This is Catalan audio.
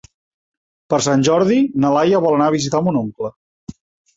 Per Sant Jordi na Laia vol anar a visitar mon oncle.